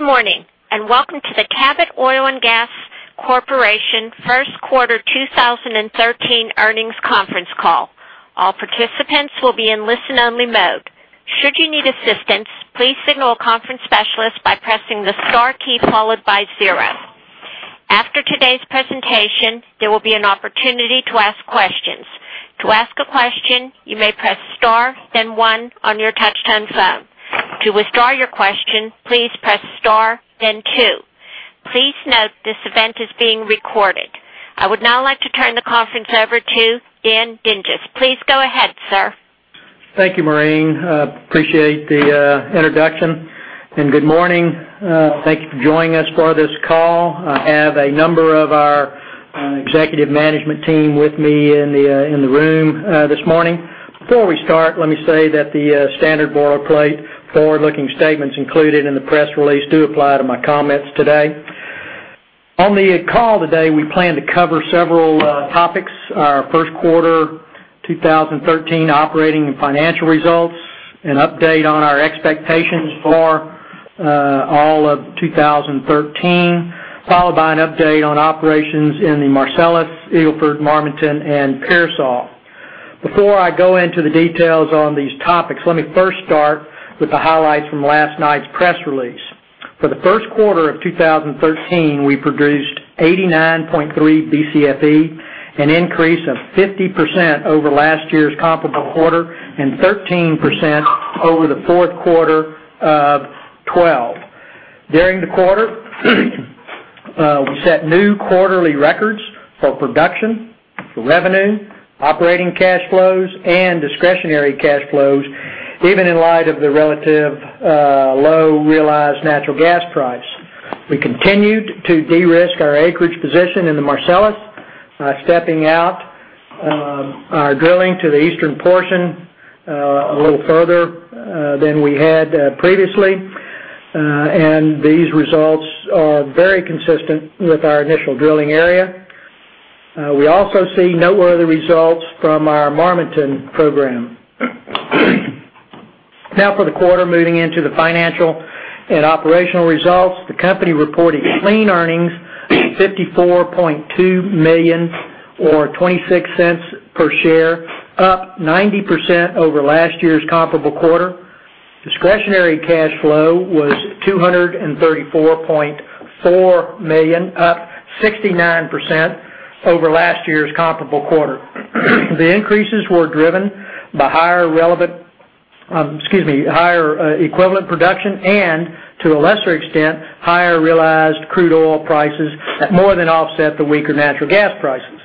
Good morning, and welcome to the Cabot Oil & Gas Corporation First Quarter 2013 earnings conference call. All participants will be in listen-only mode. Should you need assistance, please signal a conference specialist by pressing the star key, followed by zero. After today's presentation, there will be an opportunity to ask questions. To ask a question, you may press star, then one on your touchtone phone. To withdraw your question, please press star, then two. Please note this event is being recorded. I would now like to turn the conference over to Dan Dinges. Please go ahead, sir. Thank you, Maureen. Appreciate the introduction. Good morning. Thank you for joining us for this call. I have a number of our executive management team with me in the room this morning. Before we start, let me say that the standard boilerplate forward-looking statements included in the press release do apply to my comments today. On the call today, we plan to cover several topics. Our first quarter 2013 operating and financial results. An update on our expectations for all of 2013, followed by an update on operations in the Marcellus, Eagle Ford, Marmaton, and Pearsall. Before I go into the details on these topics, let me first start with the highlights from last night's press release. For the first quarter of 2013, we produced 89.3 BCFE, an increase of 50% over last year's comparable quarter, 13% over the fourth quarter of 2012. During the quarter, we set new quarterly records for production, for revenue, operating cash flows, and discretionary cash flows, even in light of the relative low realized natural gas price. We continued to de-risk our acreage position in the Marcellus by stepping out our drilling to the eastern portion a little further than we had previously. These results are very consistent with our initial drilling area. We also see noteworthy results from our Marmaton program. For the quarter, moving into the financial and operational results. The company reported clean earnings, $54.2 million or $0.26 per share, up 90% over last year's comparable quarter. Discretionary cash flow was $234.4 million, up 69% over last year's comparable quarter. The increases were driven by higher equivalent production and, to a lesser extent, higher realized crude oil prices more than offset the weaker natural gas prices.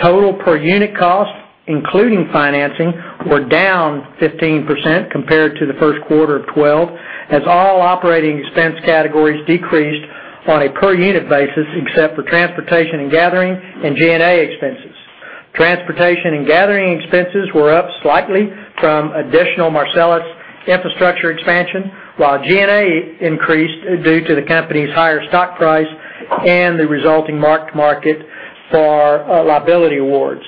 Total per unit costs, including financing, were down 15% compared to the first quarter of 2012. All operating expense categories decreased on a per unit basis, except for transportation and gathering and G&A expenses. Transportation and gathering expenses were up slightly from additional Marcellus infrastructure expansion, while G&A increased due to the company's higher stock price and the resulting marked market for liability awards.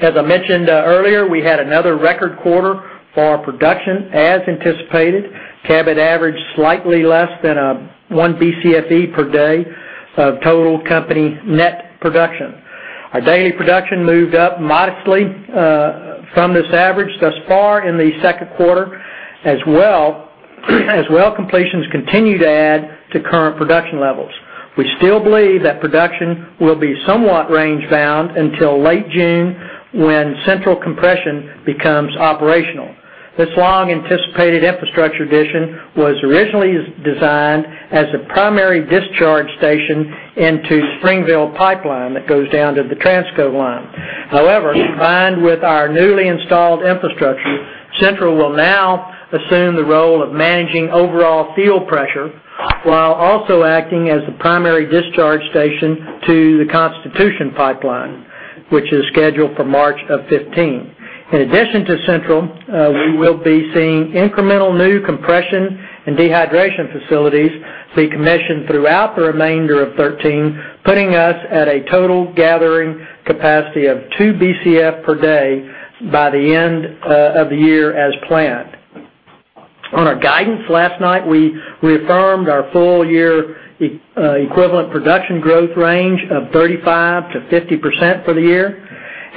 As I mentioned earlier, we had another record quarter for our production as anticipated. Cabot averaged slightly less than one BCFE per day of total company net production. Our daily production moved up modestly from this average thus far in the second quarter, as well completions continue to add to current production levels. We still believe that production will be somewhat range bound until late June, when Central Compression becomes operational. This long-anticipated infrastructure addition was originally designed as a primary discharge station into Springville Pipeline that goes down to the Transco line. However, combined with our newly installed infrastructure, Central will now assume the role of managing overall field pressure while also acting as the primary discharge station to the Constitution Pipeline, which is scheduled for March of 2015. In addition to Central, we will be seeing incremental new compression and dehydration facilities be commissioned throughout the remainder of 2013, putting us at a total gathering capacity of 2 BCF per day by the end of the year as planned. On our guidance last night, we reaffirmed our full year equivalent production growth range of 35%-50% for the year.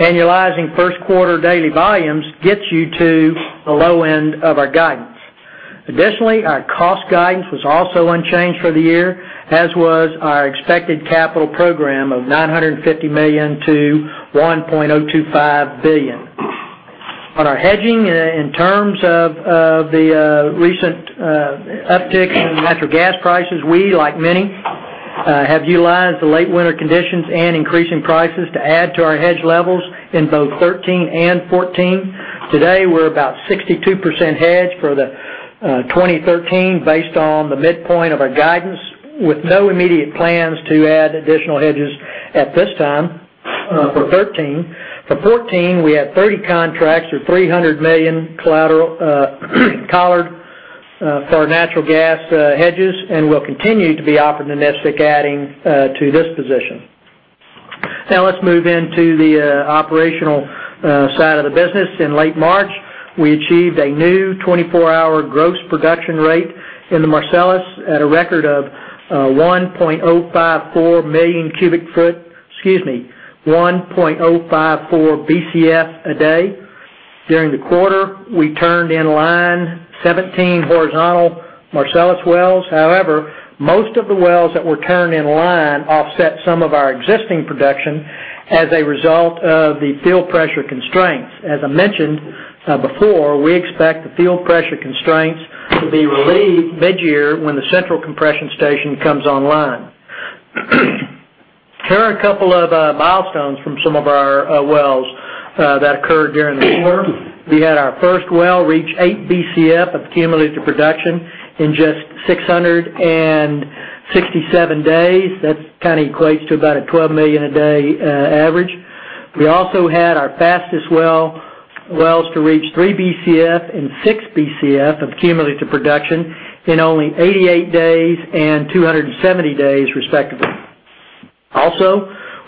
Annualizing first quarter daily volumes gets you to the low end of our guidance. Our cost guidance was also unchanged for the year, as was our expected capital program of $950 million to $1.025 billion. On our hedging, in terms of the recent uptick in natural gas prices, we, like many, have utilized the late winter conditions and increasing prices to add to our hedge levels in both 2013 and 2014. Today, we're about 62% hedged for 2013 based on the midpoint of our guidance, with no immediate plans to add additional hedges at this time for 2013. For 2014, we have 30 contracts or $300 million collared for our natural gas hedges and will continue to be opportunistic adding to this position. Let's move into the operational side of the business. In late March, we achieved a new 24-hour gross production rate in the Marcellus at a record of 1.054 Bcf a day. During the quarter, we turned in line 17 horizontal Marcellus wells. Most of the wells that were turned in line offset some of our existing production as a result of the field pressure constraints. As I mentioned before, we expect the field pressure constraints to be relieved mid-year when the central compression station comes online. Here are a couple of milestones from some of our wells that occurred during the quarter. We had our first well reach 8 Bcf of cumulative production in just 667 days. That equates to about a 12 million a day average. We also had our fastest wells to reach 3 Bcf and 6 Bcf of cumulative production in only 88 days and 270 days, respectively.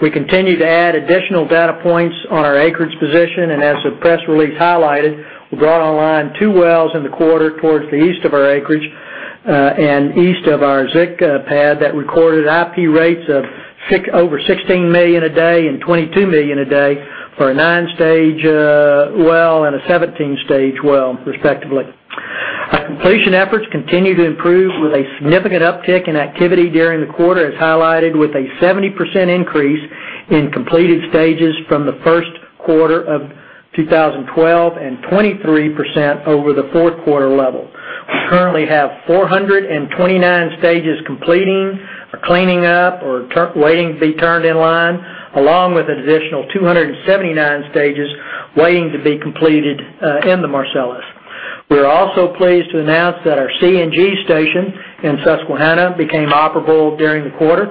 We continue to add additional data points on our acreage position, and as the press release highlighted, we brought online two wells in the quarter towards the east of our acreage, east of our Zic pad that recorded IP rates of over 16 million a day and 22 million a day for a 9-stage well and a 17-stage well, respectively. Our completion efforts continue to improve with a significant uptick in activity during the quarter, as highlighted with a 70% increase in completed stages from the first quarter of 2012 and 23% over the fourth quarter level. We currently have 429 stages completing or cleaning up or waiting to be turned in line, along with an additional 279 stages waiting to be completed in the Marcellus. We're also pleased to announce that our CNG station in Susquehanna became operable during the quarter.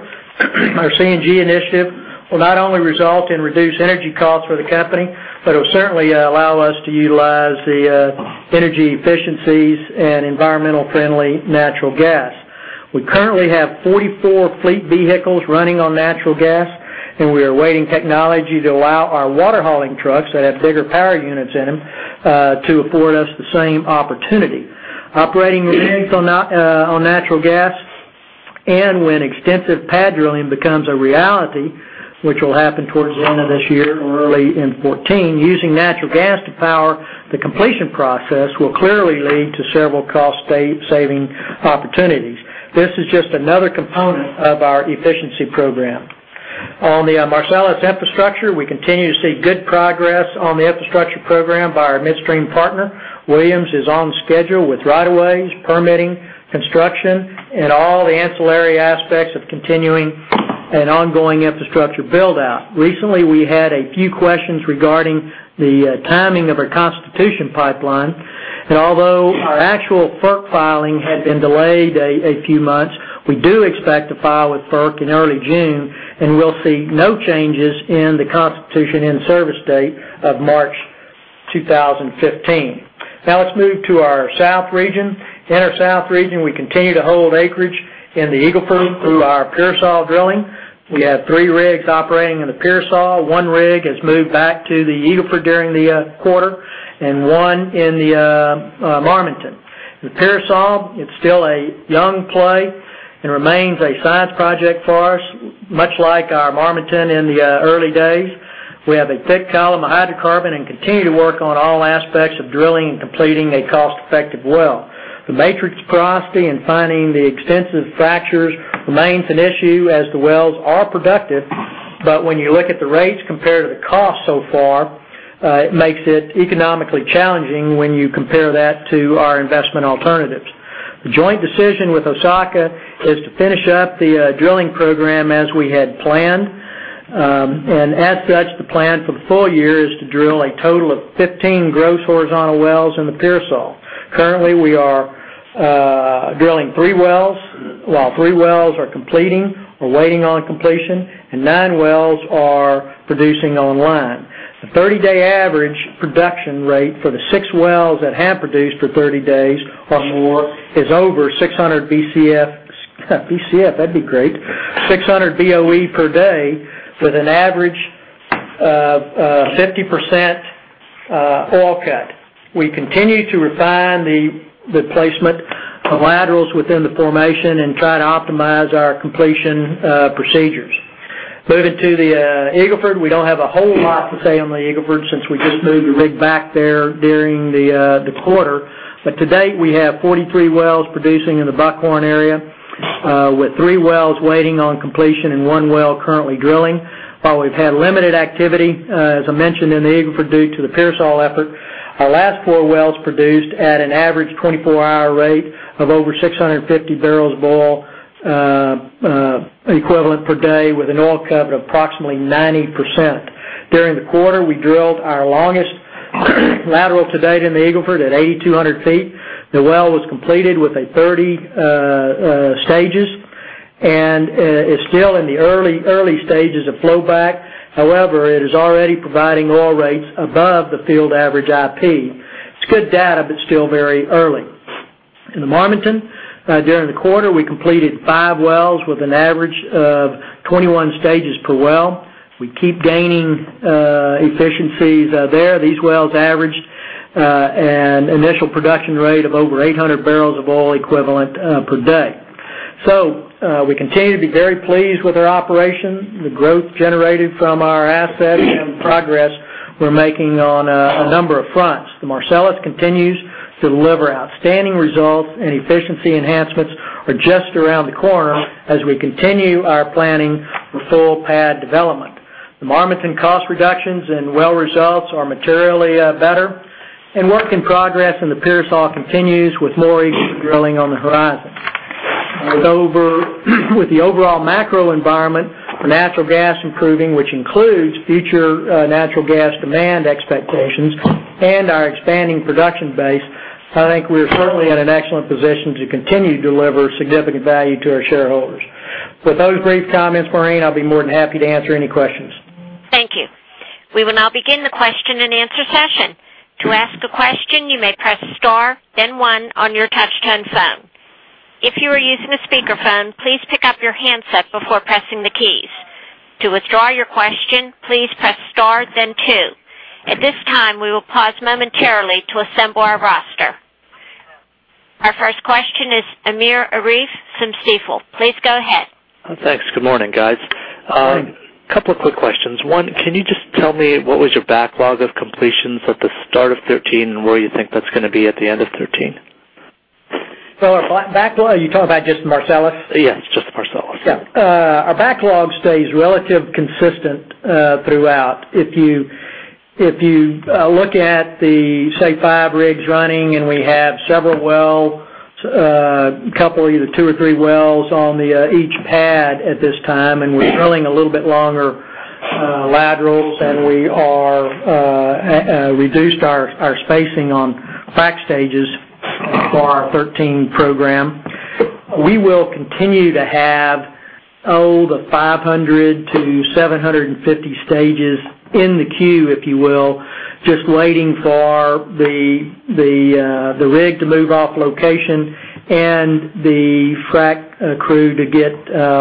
Our CNG initiative will not only result in reduced energy costs for the company, but it will certainly allow us to utilize the energy efficiencies and environmental friendly natural gas. We currently have 44 fleet vehicles running on natural gas, and we are awaiting technology to allow our water hauling trucks that have bigger power units in them to afford us the same opportunity. Operating rigs on natural gas, when extensive pad drilling becomes a reality, which will happen towards the end of this year or early in 2014, using natural gas to power the completion process will clearly lead to several cost saving opportunities. This is just another component of our efficiency program. On the Marcellus infrastructure, we continue to see good progress on the infrastructure program by our midstream partner. Williams is on schedule with right of ways, permitting, construction, and all the ancillary aspects of continuing an ongoing infrastructure build-out. Recently, we had a few questions regarding the timing of our Constitution Pipeline, although our actual FERC filing had been delayed a few months, we do expect to file with FERC in early June, and we'll see no changes in the Constitution in service date of March 2015. Let's move to our south region. In our south region, we continue to hold acreage in the Eagle Ford through our Pearsall drilling. We have three rigs operating in the Pearsall. One rig has moved back to the Eagle Ford during the quarter, and one in the Marmaton. Pearsall, it's still a young play and remains a science project for us, much like our Marmaton in the early days. We have a thick column of hydrocarbon and continue to work on all aspects of drilling and completing a cost-effective well. The matrix porosity and finding the extensive fractures remains an issue as the wells are productive, but when you look at the rates compared to the cost so far, it makes it economically challenging when you compare that to our investment alternatives. The joint decision with Osaka is to finish up the drilling program as we had planned. As such, the plan for the full year is to drill a total of 15 gross horizontal wells in the Pearsall. Currently, we are drilling three wells, while three wells are completing or waiting on completion, and nine wells are producing online. The 30-day average production rate for the six wells that have produced for 30 days or more is over 600 Bcf. Bcf, that'd be great. 600 Boe per day with an average of 50% oil cut. We continue to refine the placement of laterals within the formation and try to optimize our completion procedures. Moving to the Eagle Ford, we don't have a whole lot to say on the Eagle Ford since we just moved the rig back there during the quarter. To date, we have 43 wells producing in the Buckhorn area, with three wells waiting on completion and one well currently drilling. While we've had limited activity, as I mentioned, in the Eagle Ford due to the Pearsall effort, our last four wells produced at an average 24-hour rate of over 650 barrels of oil equivalent per day with an oil cut of approximately 90%. During the quarter, we drilled our longest lateral to date in the Eagle Ford at 8,200 feet. The well was completed with a 30 stages, and it's still in the early stages of flow back. However, it is already providing oil rates above the field average IP. It's good data, but still very early. In the Marmaton, during the quarter, we completed five wells with an average of 21 stages per well. We keep gaining efficiencies there. These wells averaged an initial production rate of over 800 barrels of oil equivalent per day. We continue to be very pleased with our operation, the growth generated from our assets, and the progress we're making on a number of fronts. The Marcellus continues to deliver outstanding results, and efficiency enhancements are just around the corner as we continue our planning for full pad development. The Marmaton cost reductions and well results are materially better, work in progress in the Pearsall continues with more easy drilling on the horizon. With the overall macro environment for natural gas improving, which includes future natural gas demand expectations and our expanding production base, I think we're certainly in an excellent position to continue to deliver significant value to our shareholders. With those brief comments, Maureen, I'll be more than happy to answer any questions. Thank you. We will now begin the question and answer session. To ask a question, you may press star then one on your touch-tone phone. If you are using a speakerphone, please pick up your handset before pressing the keys. To withdraw your question, please press star then two. At this time, we will pause momentarily to assemble our roster. Our first question is Amir Arif from Stifel. Please go ahead. Thanks. Good morning, guys. Good morning. Couple of quick questions. One, can you just tell me what was your backlog of completions at the start of 2013, and where you think that's going to be at the end of 2013? Our backlog, are you talking about just Marcellus? Yes, just the Marcellus. Yeah. Our backlog stays relatively consistent throughout. If you look at the, say, five rigs running, and we have several wells, a couple, either two or three wells on each pad at this time, and we are drilling a little bit longer laterals, and we reduced our spacing on frack stages for our 2013 program. We will continue to have 500 to 750 stages in the queue, if you will, just waiting for the rig to move off location and the frack crew to get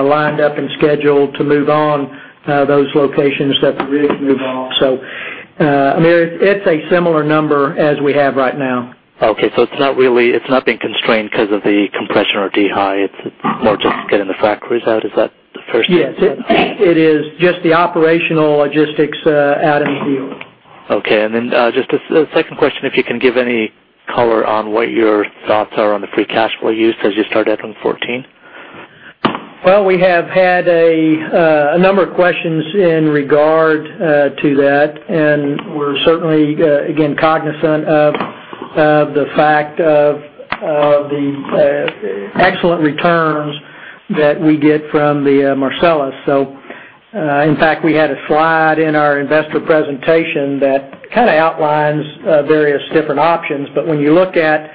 lined up and scheduled to move on those locations that the rigs move off. Amir, it is a similar number as we have right now. Okay. It is not being constrained because of the compression or dehy, it is more just getting the frack crews out. Is that the first thing? Yes. It is just the operational logistics out in the field. Okay. Just a second question, if you can give any color on what your thoughts are on the free cash flow use as you start out in 2014? We have had a number of questions in regard to that, we're certainly, again, cognizant of the fact of the excellent returns that we get from the Marcellus. In fact, we had a slide in our investor presentation that outlines various different options. When you look at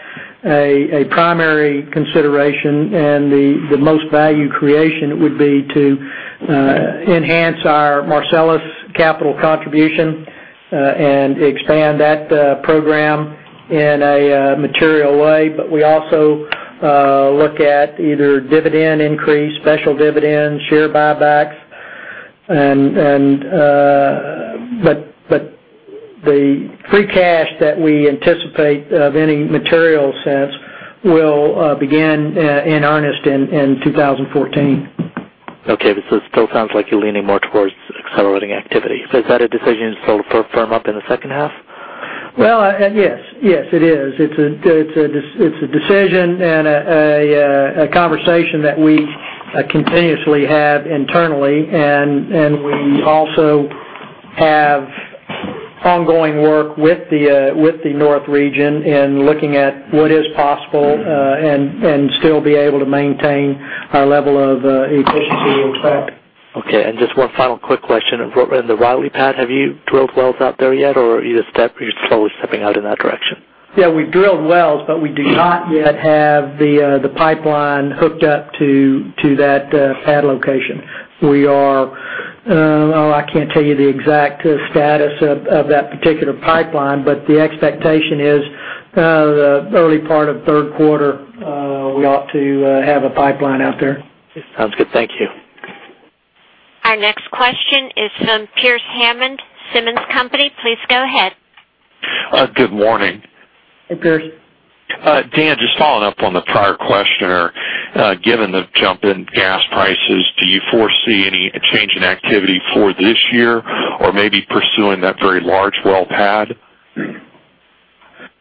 a primary consideration and the most value creation, it would be to enhance our Marcellus capital contribution, and expand that program in a material way. We also look at either dividend increase, special dividends, share buybacks, the free cash that we anticipate of any material sense will begin in earnest in 2014. This still sounds like you're leaning more towards accelerating activity. Is that a decision that'll firm up in the second half? Yes. It is. It's a decision and a conversation that we continuously have internally, we also have ongoing work with the North region in looking at what is possible, and still be able to maintain our level of efficiency and spend. Just one final quick question. In the Riley pad, have you drilled wells out there yet, or are you slowly stepping out in that direction? Yeah, we drilled wells, we do not yet have the pipeline hooked up to that pad location. I can't tell you the exact status of that particular pipeline, the expectation is the early part of the third quarter, we ought to have a pipeline out there. Sounds good. Thank you. Our next question is from Pearce Hammond, Simmons Company. Please go ahead. Good morning. Good. Dan, just following up on the prior questioner. Given the jump in gas prices, do you foresee any change in activity for this year, or maybe pursuing that very large well pad?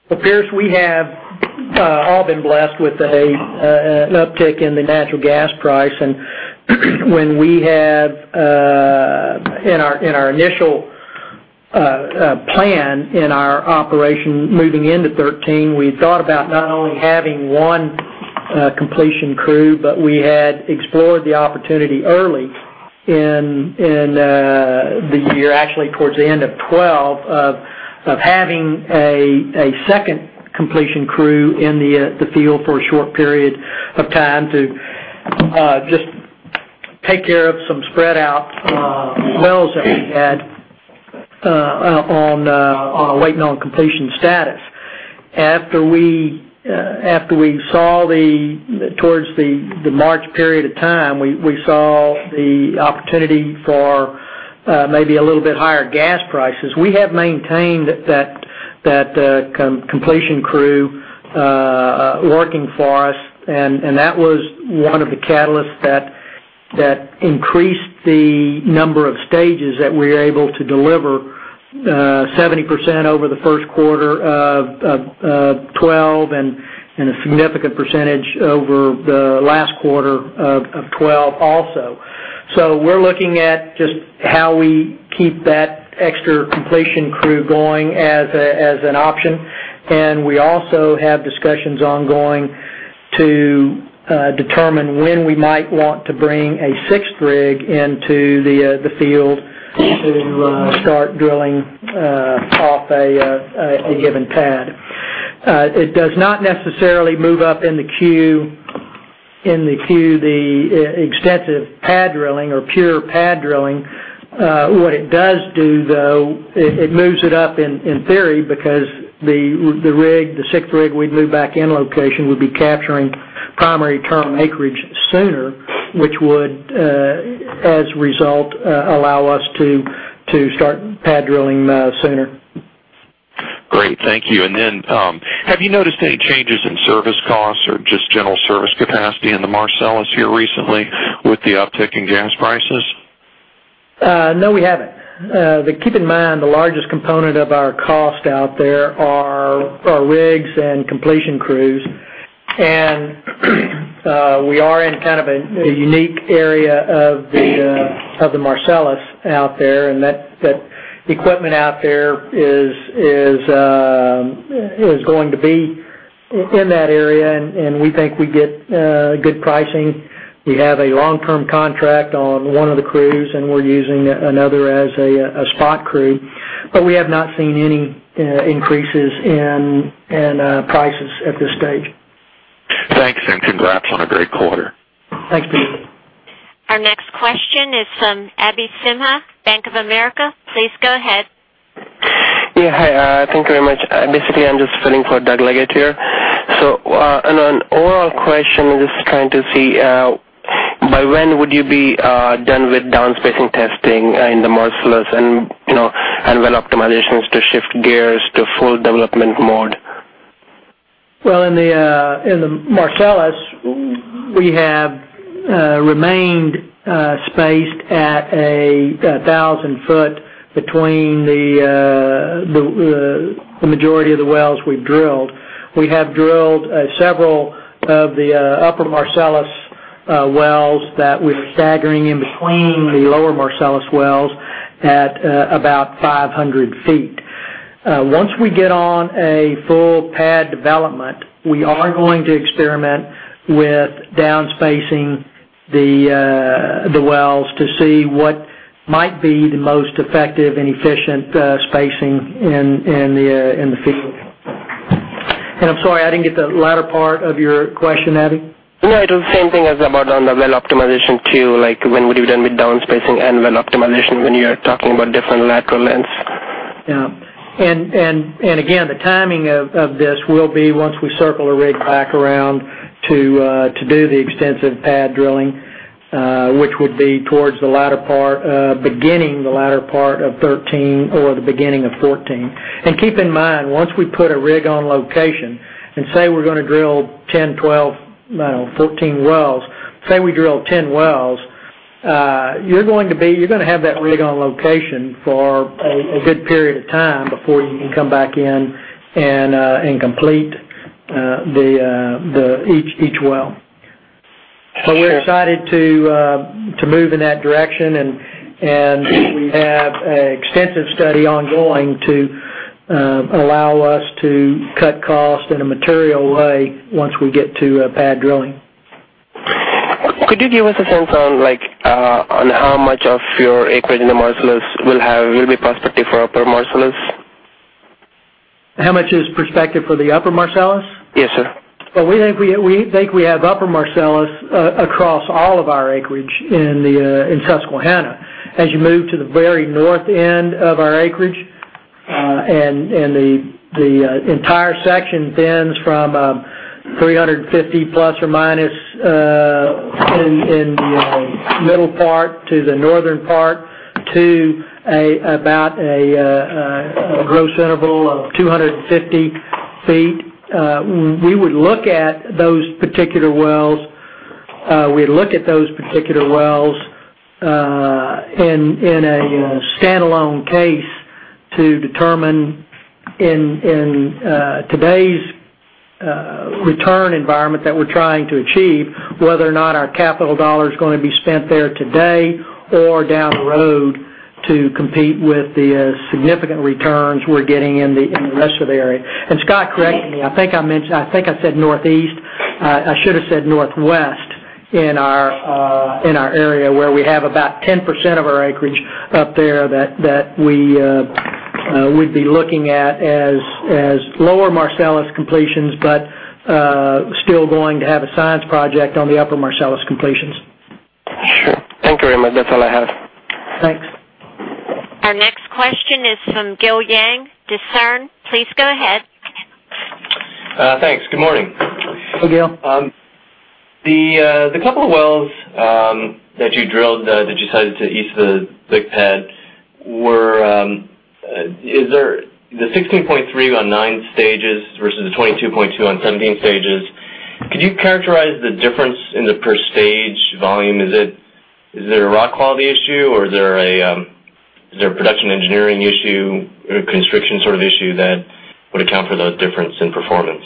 Well, Pearce, we have all been blessed with an uptick in the natural gas price. When we have in our initial plan in our operation moving into 2013, we had thought about not only having one completion crew, but we had explored the opportunity early in the year, actually towards the end of 2012, of having a second completion crew in the field for a short period of time to just take care of some spread-out wells that we had on waiting on completion status. After we saw towards the March period of time, we saw the opportunity for maybe a little bit higher gas prices. We have maintained that completion crew working for us, that was one of the catalysts that increased the number of stages that we're able to deliver 70% over the first quarter of 2012 and a significant percentage over the last quarter of 2012 also. We're looking at just how we keep that extra completion crew going as an option. We also have discussions ongoing to determine when we might want to bring a sixth rig into the field to start drilling off a given pad. It does not necessarily move up in the queue, the extensive pad drilling or pure pad drilling. What it does do, though, it moves it up in theory, because the sixth rig we move back in location will be capturing primary term acreage sooner, which would, as a result, allow us to start pad drilling sooner. Great. Thank you. Have you noticed any changes in service costs or just general service capacity in the Marcellus here recently with the uptick in gas prices? No, we haven't. Keep in mind, the largest component of our cost out there are our rigs and completion crews, and we are in a unique area of the Marcellus out there, and that equipment out there is going to be in that area, and we think we get good pricing. We have a long-term contract on one of the crews, and we're using another as a spot crew. We have not seen any increases in prices at this stage. Thanks, congrats on a great quarter. Thanks, Pearce. Our next question is from Abhishek Sinha, Bank of America. Please go ahead. Yeah. Hi, thank you very much. Basically, I'm just filling for Doug Leggate here. On an oral question, I'm just trying to see, by when would you be done with downspacing testing in the Marcellus and well optimizations to shift gears to full development mode? Well, in the Marcellus, we have remained spaced at 1,000 foot between the majority of the wells we've drilled. We have drilled several of the upper Marcellus wells that we're staggering in between the lower Marcellus wells at about 500 feet. Once we get on a full pad development, we are going to experiment with downspacing the wells to see what might be the most effective and efficient spacing in the field. I'm sorry, I didn't get the latter part of your question, Abhi. No, it was the same thing as about on the well optimization, too. When would you be done with downspacing and well optimization when you're talking about different lateral lengths? Yeah. Again, the timing of this will be once we circle a rig back around to do the extensive pad drilling, which would be beginning the latter part of 2013 or the beginning of 2014. Keep in mind, once we put a rig on location and say we're going to drill 10, 12, 14 wells, say we drill 10 wells, you're going to have that rig on location for a good period of time before you can come back in and complete each well. We're excited to move in that direction and have an extensive study ongoing to allow us to cut costs in a material way once we get to pad drilling. Could you give us a sense on how much of your acreage in the Marcellus will be prospective for upper Marcellus? How much is prospective for the upper Marcellus? Yes, sir. Well, we think we have upper Marcellus across all of our acreage in Susquehanna. As you move to the very north end of our acreage and the entire section thins from 350 ± in the middle part to the northern part to about a gross interval of 250 feet, we would look at those particular wells in a standalone case to determine in today's return environment that we're trying to achieve, whether or not our capital dollar is going to be spent there today or down the road to compete with the significant returns we're getting in the rest of the area. Scott, correct me, I think I said northeast. I should have said northwest in our area, where we have about 10% of our acreage up there that we'd be looking at as lower Marcellus completions, but still going to have a science project on the upper Marcellus completions. Sure. Thank you very much. That's all I have. Thanks. Our next question is from Gil Yang, Discern. Please go ahead. Thanks. Good morning. Hi, Gil. The couple of wells that you drilled that you tied to east of the big pad were the 16.3 on 9 stages versus the 22.2 on 17 stages. Could you characterize the difference in the per stage volume? Is it a rock quality issue, or is there a production engineering issue or constriction issue that would account for the difference in performance?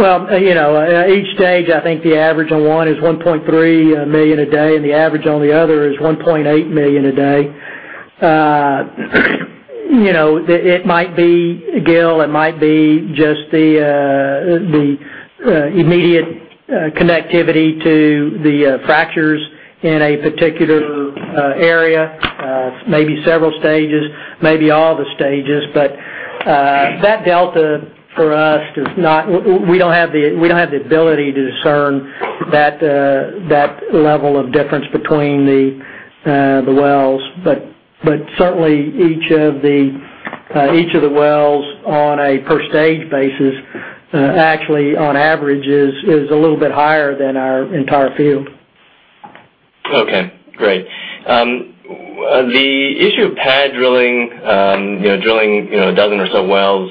Each stage, I think the average on one is 1.3 million a day, and the average on the other is 1.8 million a day. Gil, it might be just the immediate connectivity to the fractures in a particular area, maybe several stages, maybe all the stages. That delta for us, we don't have the ability to discern that level of difference between the wells. Certainly, each of the wells on a per stage basis, actually, on average, is a little bit higher than our entire field. Okay. Great. The issue of pad drilling a dozen or so wells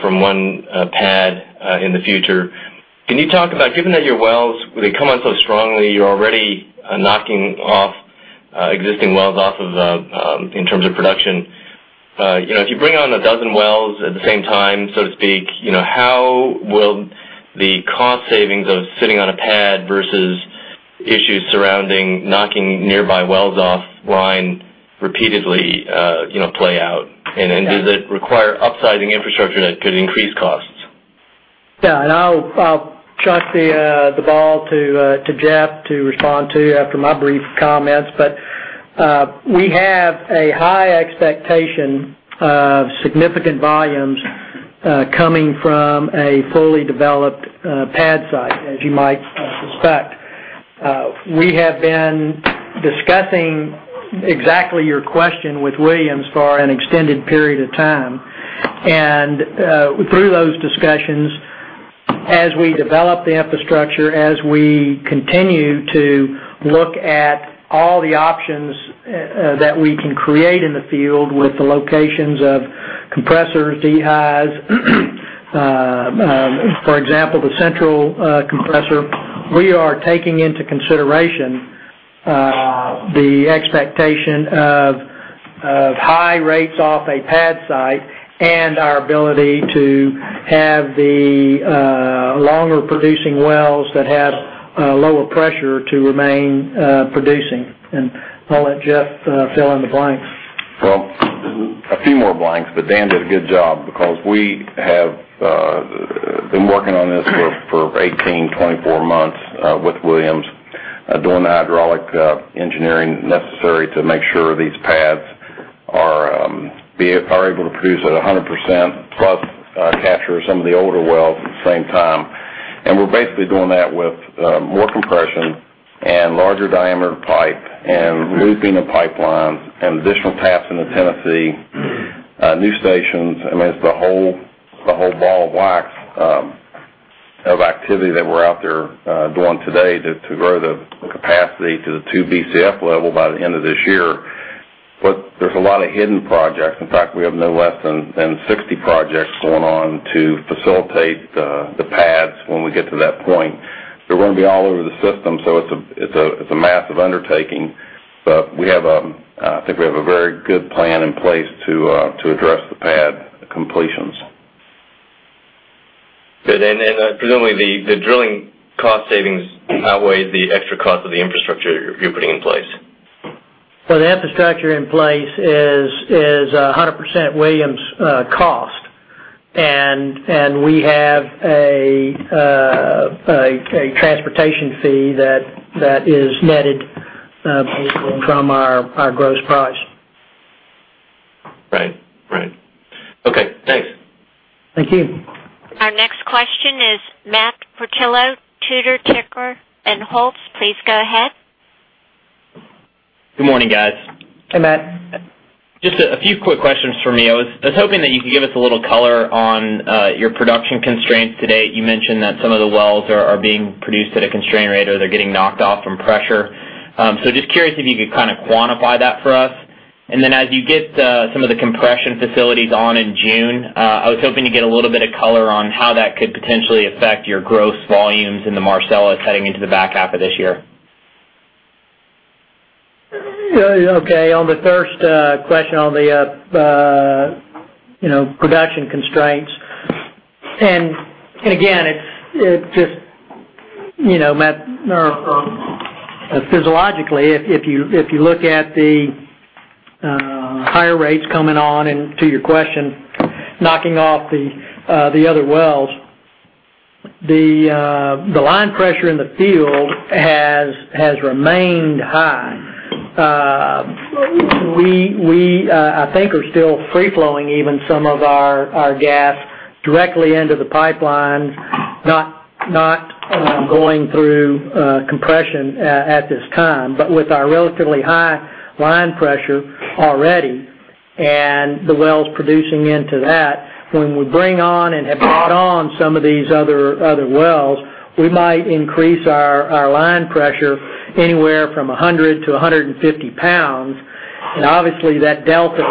from one pad in the future. Given that your wells, they come on so strongly, you're already knocking off existing wells in terms of production. If you bring on a dozen wells at the same time, so to speak, how will the cost savings of sitting on a pad versus issues surrounding knocking nearby wells offline repeatedly play out? Does it require upsizing infrastructure that could increase costs? Yeah. I'll chuck the ball to Jeff to respond to after my brief comments. We have a high expectation of significant volumes coming from a fully developed pad site, as you might suspect. We have been discussing exactly your question with Williams for an extended period of time. Through those discussions, as we develop the infrastructure, as we continue to look at all the options that we can create in the field with the locations of compressors, dehaz, for example, the central compressor, we are taking into consideration the expectation of high rates off a pad site and our ability to have the longer producing wells that have lower pressure to remain producing. I'll let Jeff fill in the blanks. Well, a few more blanks, Dan did a good job because we have been working on this for 18, 24 months with Williams, doing the hydraulic engineering necessary to make sure these pads are able to produce at 100%, plus capture some of the older wells at the same time. We're basically doing that with more compression and larger diameter pipe and looping the pipelines and additional taps into Tennessee, new stations. I mean, it's the whole ball of wax of activity that we're out there doing today to grow the capacity to the 2 Bcf level by the end of this year. There's a lot of hidden projects. In fact, we have no less than 60 projects going on to facilitate the pads when we get to that point. They're going to be all over the system, it's a massive undertaking. I think we have a very good plan in place to address the pad completions. Good. Presumably, the drilling cost savings outweigh the extra cost of the infrastructure you're putting in place. Well, the infrastructure in place is 100% Williams' cost. We have a transportation fee that is netted basically from our gross price. Right. Okay, thanks. Thank you. Our next question is Matt Portillo, Tudor, Pickering, and Holt. Please go ahead. Good morning, guys. Hey, Matt. Just a few quick questions for me. I was hoping that you could give us a little color on your production constraints to date. You mentioned that some of the wells are being produced at a constrained rate, or they're getting knocked off from pressure. Just curious if you could quantify that for us. As you get some of the compression facilities on in June, I was hoping to get a little bit of color on how that could potentially affect your gross volumes in the Marcellus heading into the back half of this year. On the first question on the production constraints, and again, Matt, specifically, if you look at the higher rates coming on, and to your question, knocking off the other wells, the line pressure in the field has remained high. We, I think, are still free flowing even some of our gas directly into the pipeline, not going through compression at this time. With our relatively high line pressure already and the wells producing into that, when we bring on and have brought on some of these other wells, we might increase our line pressure anywhere from 100-150 pounds. Obviously that delta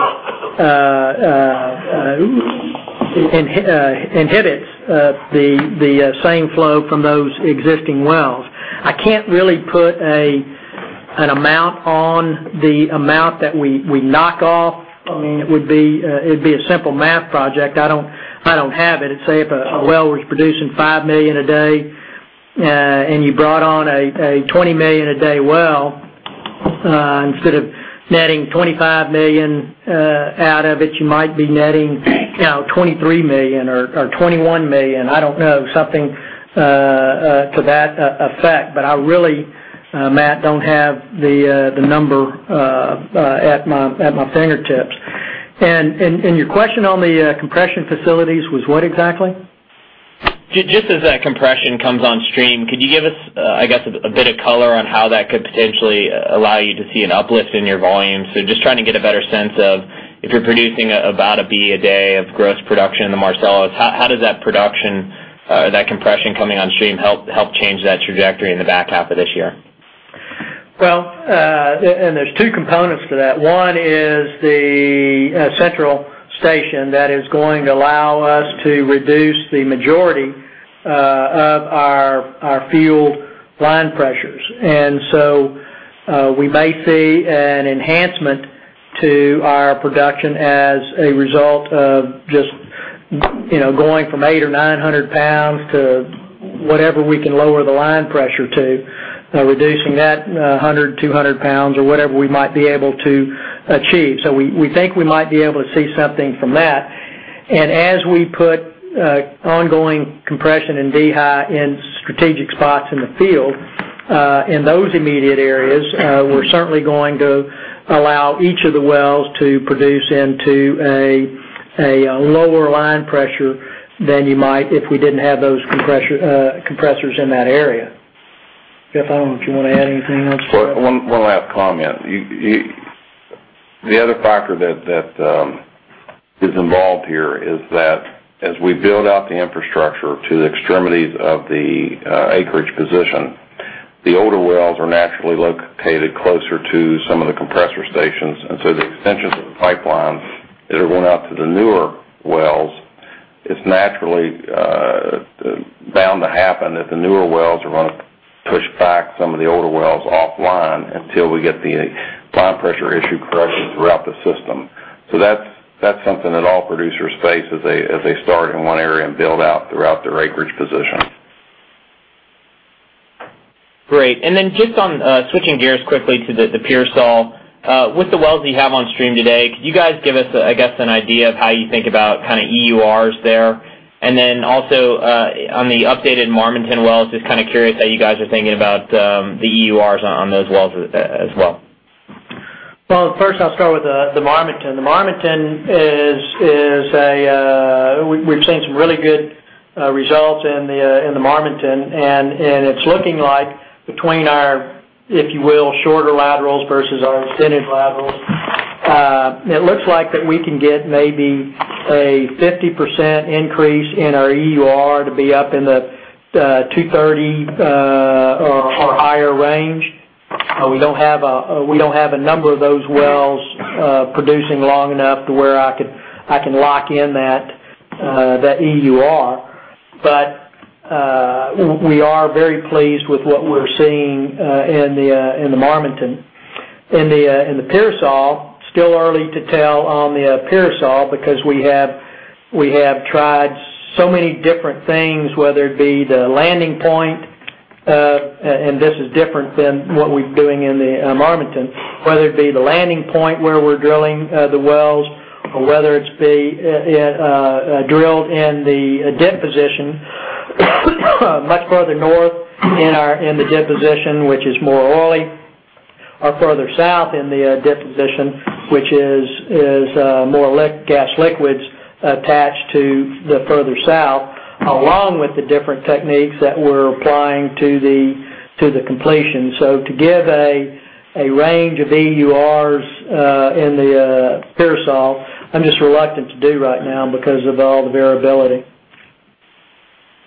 inhibits the same flow from those existing wells. I can't really put an amount on the amount that we knock off. It'd be a simple math project. I don't have it. Say if a well was producing 5 million a day, you brought on a 20-million-a-day well, instead of netting 25 million out of it, you might be netting now 23 million or 21 million. I don't know, something to that effect. I really, Matt, don't have the number at my fingertips. Your question on the compression facilities was what exactly? Just as that compression comes on stream, could you give us, I guess, a bit of color on how that could potentially allow you to see an uplift in your volume? Just trying to get a better sense of, if you're producing about a Bcf a day of gross production in the Marcellus, how does that production, that compression coming on stream, help change that trajectory in the back half of this year? There's two components to that. One is the central station that is going to allow us to reduce the majority of our field line pressures. We may see an enhancement to our production as a result of just going from 800 or 900 pounds to whatever we can lower the line pressure to, reducing that 100, 200 pounds or whatever we might be able to achieve. We think we might be able to see something from that. As we put ongoing compression and dehy in strategic spots in the field, in those immediate areas, we're certainly going to allow each of the wells to produce into a lower line pressure than you might if we didn't have those compressors in that area. Jeff, I don't know if you want to add anything else? One last comment. The other factor that is involved here is that as we build out the infrastructure to the extremities of the acreage position, the older wells are naturally located closer to some of the compressor stations. The extensions of the pipelines that are going out to the newer wells, it's naturally bound to happen that the newer wells are going to push back some of the older wells offline until we get the line pressure issue corrected throughout the system. That's something that all producers face as they start in one area and build out throughout their acreage position. Great. Just on switching gears quickly to the Pearsall. With the wells that you have on stream today, could you guys give us, I guess, an idea of how you think about kind of EURs there? Also, on the updated Marmaton wells, just kind of curious how you guys are thinking about the EURs on those wells as well. Well, first I'll start with the Marmaton. The Marmaton, we've seen some really good results in the Marmaton, it's looking like between our, if you will, shorter laterals versus our extended laterals, it looks like that we can get maybe a 50% increase in our EUR to be up in the 230 or higher range. We don't have a number of those wells producing long enough to where I can lock in that EUR. We are very pleased with what we're seeing in the Marmaton. In the Pearsall, still early to tell on the Pearsall, because we have tried so many different things, whether it be the landing point, and this is different than what we're doing in the Marmaton, whether it be the landing point where we're drilling the wells, or whether it's be drilled in the dip position, much further north in the dip position, which is more oily, or further south in the dip position, which is more gas liquids attached to the further south, along with the different techniques that we're applying to the completion. To give a range of EURs in the Pearsall, I'm just reluctant to do right now because of all the variability.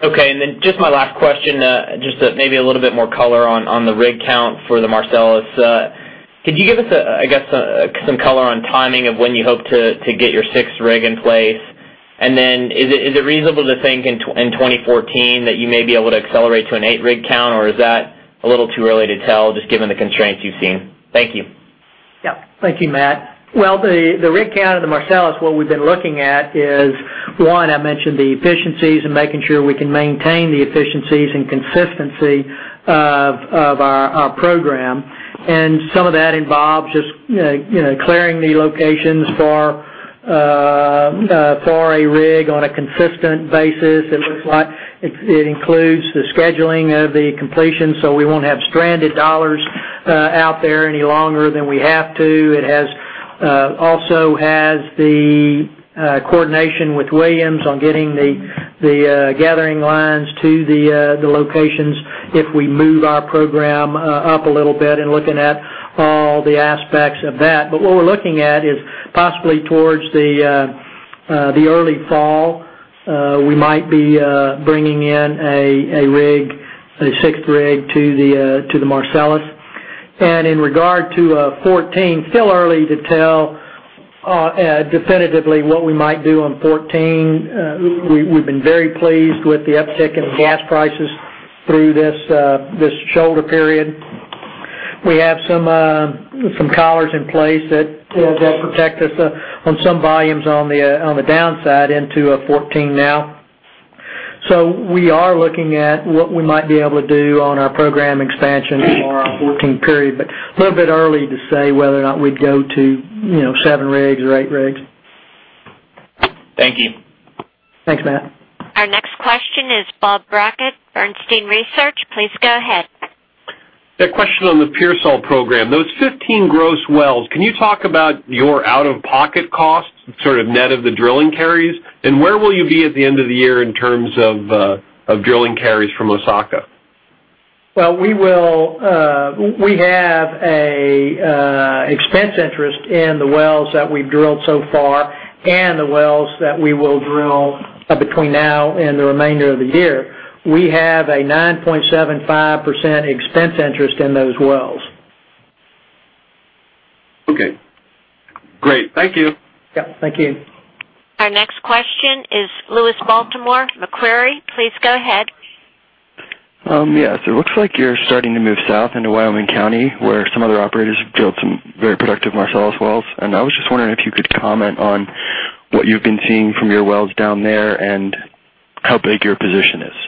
Okay, just my last question, just maybe a little bit more color on the rig count for the Marcellus. Could you give us, I guess, some color on timing of when you hope to get your sixth rig in place? Is it reasonable to think in 2014 that you may be able to accelerate to an eight-rig count, or is that a little too early to tell, just given the constraints you've seen? Thank you. Thank you, Matt. The rig count of the Marcellus, what we've been looking at is, one, I mentioned the efficiencies and making sure we can maintain the efficiencies and consistency of our program. Some of that involves just clearing the locations for a rig on a consistent basis, it looks like it includes the scheduling of the completion, so we won't have stranded dollars out there any longer than we have to. It also has the coordination with Williams on getting the gathering lines to the locations if we move our program up a little bit, and looking at all the aspects of that. What we're looking at is possibly towards the early fall, we might be bringing in a sixth rig to the Marcellus. In regard to 2014, still early to tell definitively what we might do on 2014. We've been very pleased with the uptick in gas prices through this shoulder period. We have some collars in place that will help protect us on some volumes on the downside into 2014 now. We are looking at what we might be able to do on our program expansion for our 2014 period, little bit early to say whether or not we'd go to seven rigs or eight rigs. Thank you. Thanks, Matt. Our next question is Bob Brackett, Bernstein Research. Please go ahead. A question on the Pearsall program. Those 15 gross wells, can you talk about your out-of-pocket costs, sort of net of the drilling carries? Where will you be at the end of the year in terms of drilling carries from Osaka? Well, we have an expense interest in the wells that we've drilled so far and the wells that we will drill between now and the remainder of the year. We have a 9.75% expense interest in those wells. Okay, great. Thank you. Yep, thank you. Our next question is Louis Baltimore, Macquarie. Please go ahead. Yes. It looks like you're starting to move south into Wyoming County, where some other operators have drilled some very productive Marcellus wells, and I was just wondering if you could comment on what you've been seeing from your wells down there, and how big your position is.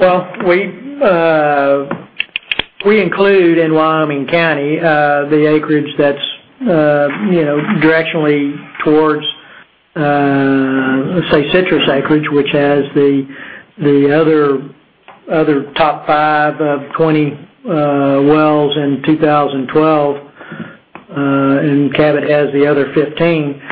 Well, we include in Wyoming County the acreage that's directionally towards, let's say, [inaudible] acreage, which has the other top five of 20 wells in 2012, and Cabot has the other 15.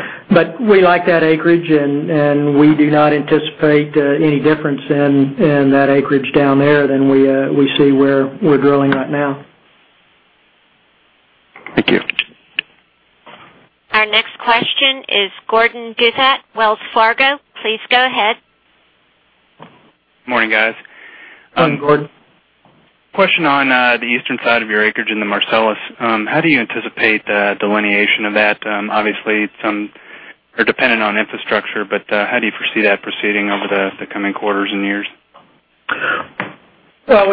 We like that acreage, and we do not anticipate any difference in that acreage down there than we see where we're drilling right now. Thank you. Our next question is Gordon Douthat, Wells Fargo. Please go ahead. Morning, guys. Gordon. Question on the eastern side of your acreage in the Marcellus. How do you anticipate the delineation of that? Obviously, some are dependent on infrastructure, but how do you foresee that proceeding over the coming quarters and years? Well,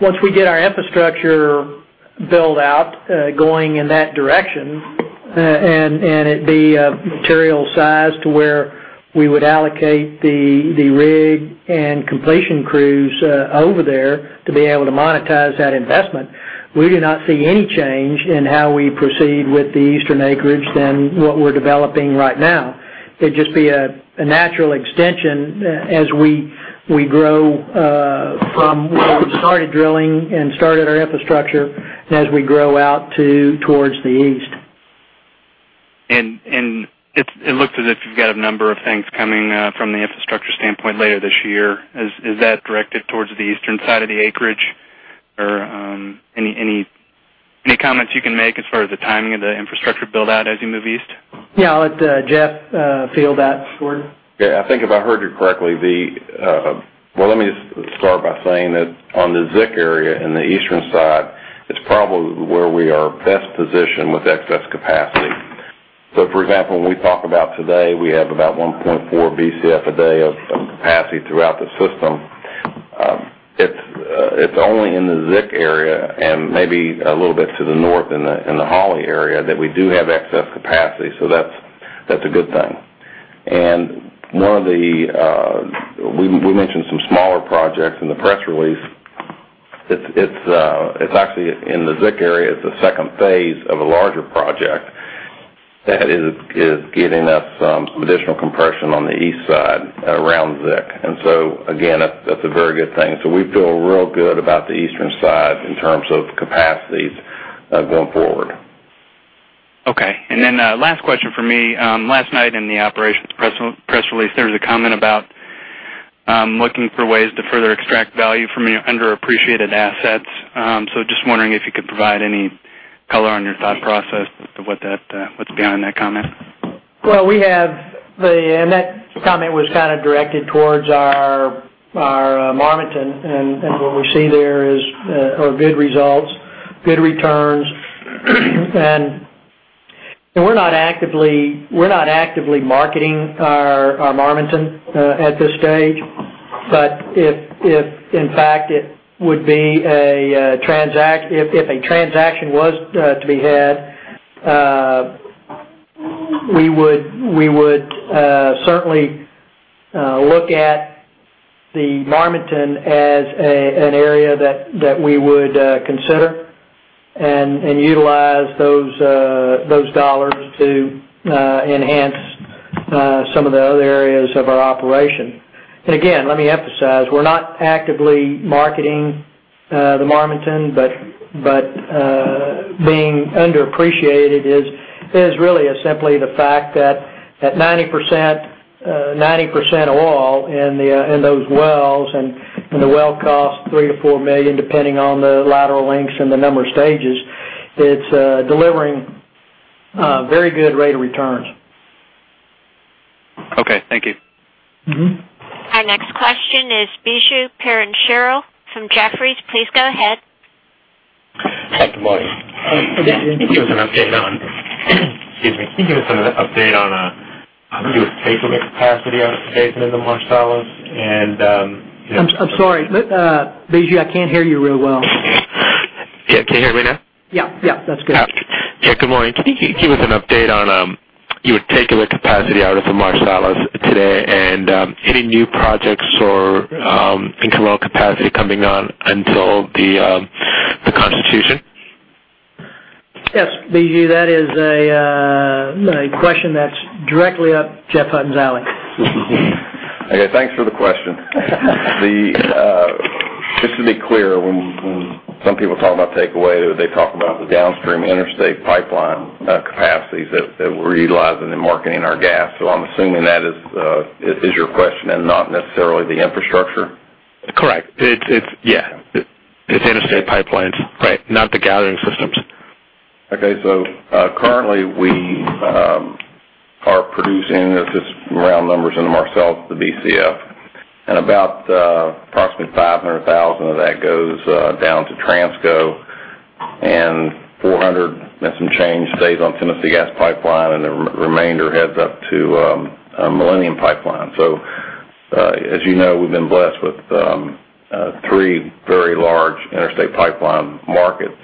once we get our infrastructure build-out going in that direction, and it be of material size to where we would allocate the rig and completion crews over there to be able to monetize that investment, we do not see any change in how we proceed with the eastern acreage than what we're developing right now. It'd just be a natural extension as we grow from where we started drilling and started our infrastructure, and as we grow out towards the east. It looks as if you've got a number of things coming from the infrastructure standpoint later this year. Is that directed towards the eastern side of the acreage? Any comments you can make as far as the timing of the infrastructure build-out as you move east? Yeah, I'll let Jeff field that, Gordon. Yeah, I think if I heard you correctly, let me just start by saying that on the Zic area, in the eastern side, it's probably where we are best positioned with excess capacity. For example, when we talk about today, we have about 1.4 Bcf a day of capacity throughout the system. It's only in the Zic area and maybe a little bit to the north in the Holly area that we do have excess capacity, so that's a good thing. We mentioned some smaller projects in the press release. It's actually in the Zic area, it's a second phase of a larger project that is giving us some additional compression on the east side around Zic. Again, that's a very good thing. We feel real good about the eastern side in terms of capacities going forward. Okay. Last question from me. Last night in the operations press release, there was a comment about looking for ways to further extract value from your underappreciated assets. Just wondering if you could provide any color on your thought process as to what's behind that comment. Well, that comment was kind of directed towards our Marmaton, and what we see there are good results, good returns. We're not actively marketing our Marmaton at this stage. If a transaction was to be had, we would certainly look at the Marmaton as an area that we would consider and utilize those dollars to enhance some of the other areas of our operation. Again, let me emphasize, we're not actively marketing the Marmaton, but being underappreciated is really simply the fact that 90% oil in those wells, and the well costs $3 million-$4 million, depending on the lateral lengths and the number of stages, it's delivering very good rate of returns. Okay, thank you. Our next question is Biju Perincheril from Jefferies. Please go ahead. [inaudible] Can you give us an update on, excuse me. Can you give us an update on your takeaway capacity out of the Marcellus? I'm sorry, Biju, I can't hear you real well. Yeah, can you hear me now? Yeah. That's good. Yeah. Good morning. Can you give us an update on your takeaway capacity out of the Marcellus today, and any new projects or incremental capacity coming on until the Constitution? Yes, Biju Perincheril, that is a question that's directly up Jeff Hutton's alley. Okay. Thanks for the question. Just to be clear, when some people talk about takeaway, they talk about the downstream interstate pipeline capacities that we're utilizing in marketing our gas. I'm assuming that is your question, and not necessarily the infrastructure. Correct. It's interstate pipelines, right, not the gathering systems. Currently we are producing, it's just round numbers in the Marcellus, the BCF, about approximately 500,000 of that goes down to Transco, and 400 and some change stays on Tennessee Gas Pipeline, and the remainder heads up to Millennium Pipeline. As you know, we've been blessed with three very large interstate pipeline markets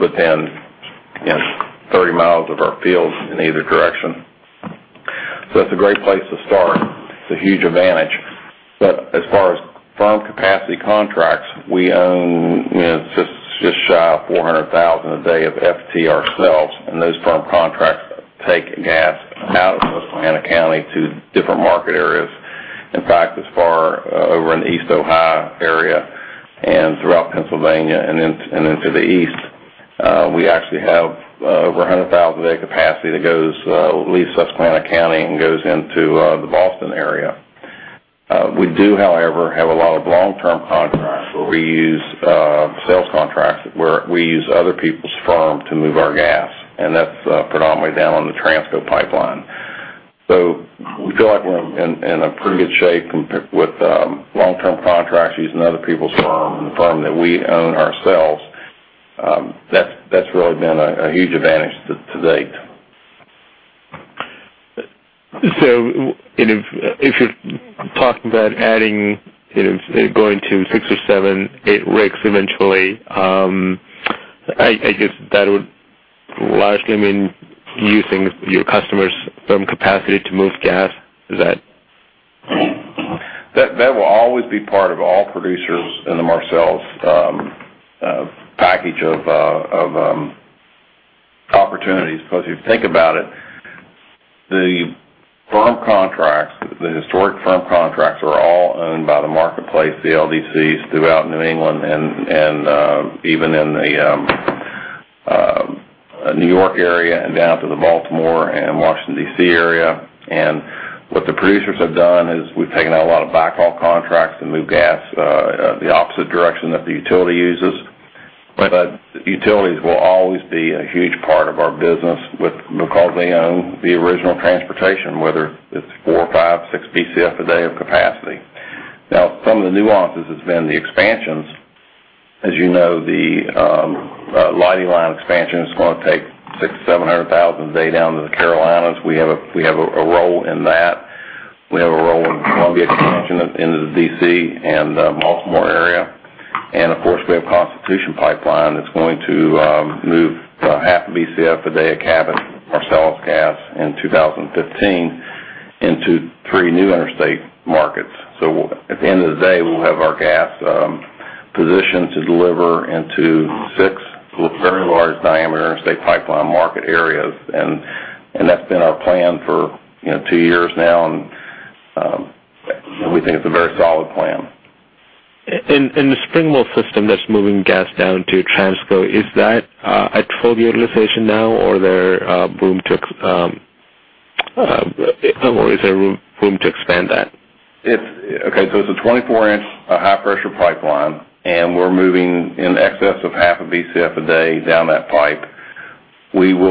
within 30 miles of our fields in either direction. That's a great place to start. It's a huge advantage. As far as firm capacity contracts, we own just shy of 400,000 a day of FT ourselves, and those firm contracts take gas out of Susquehanna County to different market areas. In fact, as far over in the East Ohio area and throughout Pennsylvania and into the east. We actually have over 100,000 a day capacity that leaves Susquehanna County and goes into the Boston area. We do, however, have a lot of long-term contracts where we use sales contracts, where we use other people's firm to move our gas, and that's predominantly down on the Transco pipeline. We feel like we're in pretty good shape with long-term contracts using other people's firm and the firm that we own ourselves. That's really been a huge advantage to date. If you're talking about adding, going to six or seven, eight rigs eventually, I guess that would largely mean using your customers' firm capacity to move gas. Is that That will always be part of all producers in the Marcellus package of opportunities, because if you think about it, the firm contracts, the historic firm contracts, are all owned by the marketplace, the LDCs throughout New England and even in the New York area and down to the Baltimore and Washington, D.C. area. What the producers have done is we've taken out a lot of backhaul contracts to move gas the opposite direction that the utility uses. Right. Utilities will always be a huge part of our business because they own the original transportation, whether it's four, five, six BCF a day of capacity. Some of the nuances has been the expansions. As you know, the Leidy Line expansion is going to take 600,000-700,000 a day down to the Carolinas. We have a role in that. We have a role in the Columbia expansion into the D.C. and Baltimore area. Of course, we have Constitution Pipeline that's going to move half a BCF a day of Cabot Marcellus gas in 2015 into three new interstate markets. At the end of the day, we'll have our gas positioned to deliver into six very large diameter interstate pipeline market areas, and that's been our plan for two years now, and we think it's a very solid plan. In the Springville pipeline that's moving gas down to Transco, is that at full utilization now, or is there room to expand that? It's a 24-inch high pressure pipeline, and we're moving in excess of half a BCF a day down that pipe. There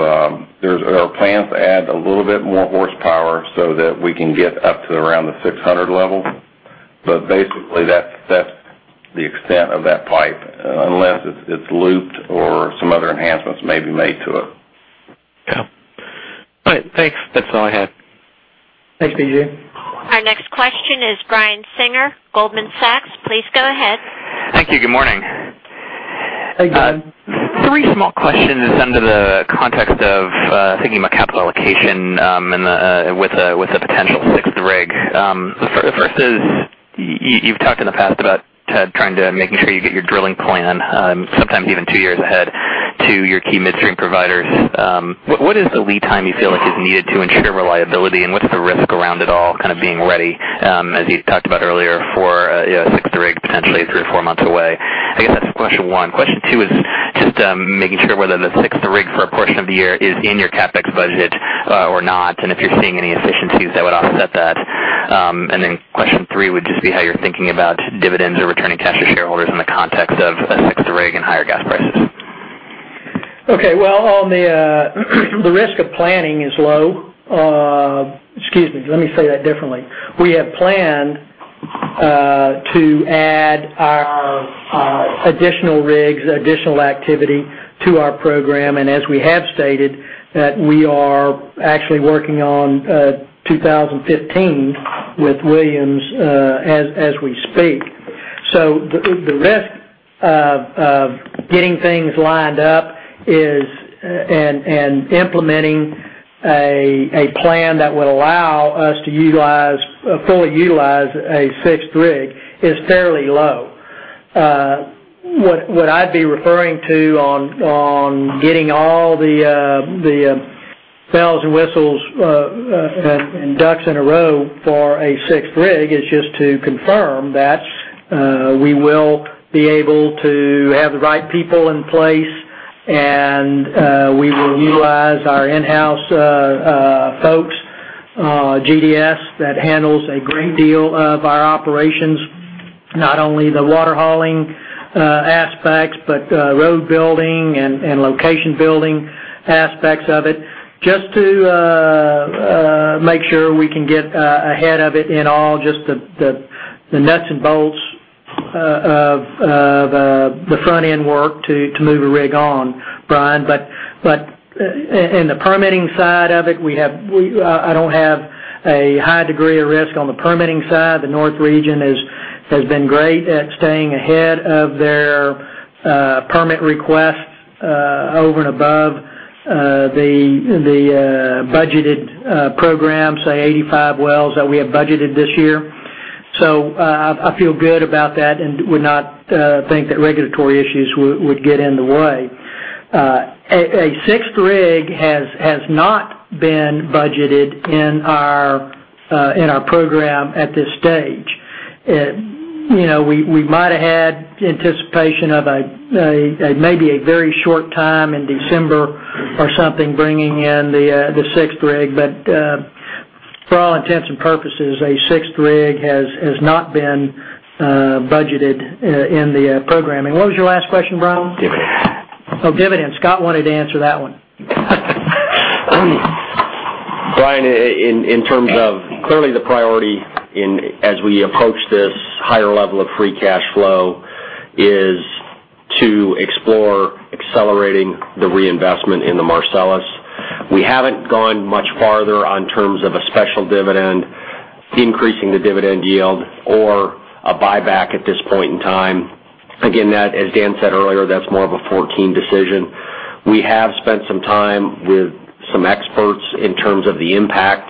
are plans to add a little bit more horsepower so that we can get up to around the 600 level. Basically, that's the extent of that pipe, unless it's looped or some other enhancements may be made to it. All right. Thanks. That's all I had. Thanks, Biju. Our next question is Brian Singer, Goldman Sachs. Please go ahead. Thank you. Good morning. Hey, Brian. Three small questions under the context of thinking about capital allocation with a potential sixth rig. The first is, you've talked in the past about trying to making sure you get your drilling plan, sometimes even two years ahead to your key midstream providers. What is the lead time you feel like is needed to ensure reliability, and what's the risk around it all being ready, as you talked about earlier, for a sixth rig potentially three or four months away? I guess that's question one. Question two is just making sure whether the sixth rig for a portion of the year is in your CapEx budget or not, and if you're seeing any efficiencies that would offset that. Question three would just be how you're thinking about dividends or returning cash to shareholders in the context of a sixth rig and higher gas prices. Okay. Well, the risk of planning is low. Excuse me. Let me say that differently. We have planned to add our additional rigs, additional activity to our program, and as we have stated, that we are actually working on 2015 with Williams as we speak. The risk of getting things lined up and implementing a plan that would allow us to fully utilize a sixth rig is fairly low. What I'd be referring to on getting all the bells and whistles and ducks in a row for a sixth rig is just to confirm that we will be able to have the right people in place, and we will utilize our in-house folks, GDS, that handles a great deal of our operations, not only the water hauling aspects, but road building and location building aspects of it, just to make sure we can get ahead of it in all just the nuts and bolts of the front-end work to move a rig on, Brian. In the permitting side of it, I don't have a high degree of risk on the permitting side. The North region has been great at staying ahead of their permit requests over and above the budgeted program, say, 85 wells that we have budgeted this year. I feel good about that and would not think that regulatory issues would get in the way. A sixth rig has not been budgeted in our program at this stage. We might have had anticipation of maybe a very short time in December or something, bringing in the sixth rig. For all intents and purposes, a sixth rig has not been budgeted in the programming. What was your last question, Brian? Dividends. Dividends. Scott wanted to answer that one. Brian, clearly the priority as we approach this higher level of free cash flow is to explore accelerating the reinvestment in the Marcellus. We haven't gone much farther on terms of a special dividend, increasing the dividend yield, or a buyback at this point in time. As Dan said earlier, that's more of a 2014 decision. We have spent some time with some experts in terms of the impact,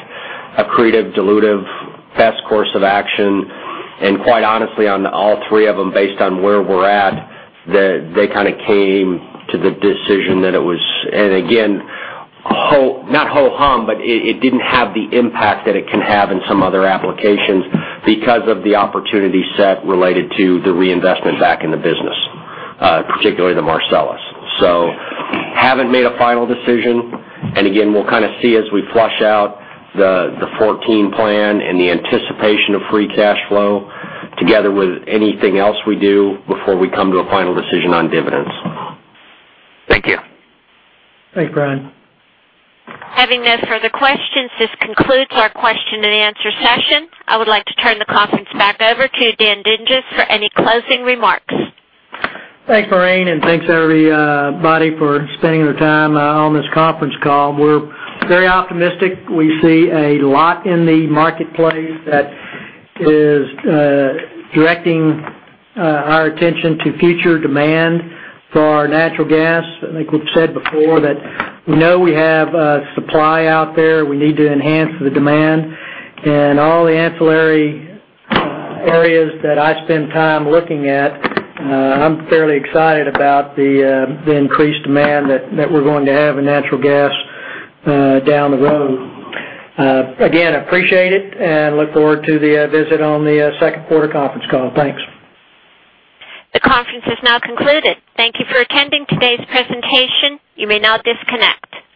accretive, dilutive, best course of action. Quite honestly, on all three of them, based on where we're at, they came to the decision that it was, and again, not ho-hum, but it didn't have the impact that it can have in some other applications because of the opportunity set related to the reinvestment back in the business, particularly the Marcellus. Haven't made a final decision. Again, we'll see as we flush out the 2014 plan and the anticipation of free cash flow together with anything else we do before we come to a final decision on dividends. Thank you. Thanks, Brian. Having no further questions, this concludes our question and answer session. I would like to turn the conference back over to Dan Dinges for any closing remarks. Thanks, Maureen, and thanks, everybody, for spending their time on this conference call. We're very optimistic. We see a lot in the marketplace that is directing our attention to future demand for our natural gas. I think we've said before that we know we have supply out there. We need to enhance the demand. All the ancillary areas that I spend time looking at, I'm fairly excited about the increased demand that we're going to have in natural gas down the road. Again, appreciate it, and look forward to the visit on the second quarter conference call. Thanks. The conference has now concluded. Thank you for attending today's presentation. You may now disconnect.